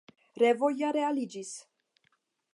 Revoj ja realiĝis!